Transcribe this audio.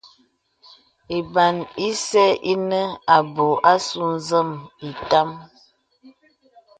Lbàn ìsə̀ inə abū àsū nzə̀n itàm.